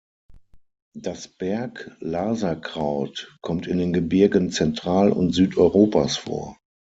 Das Berg-Laserkraut kommt in den Gebirgen Zentral- und Südeuropas vor.